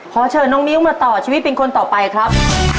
ขอเชิญน้องมิ้วมาต่อชีวิตเป็นคนต่อไปครับ